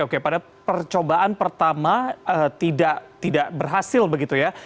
oke pada percobaan pertama tidak berhasil begitu ya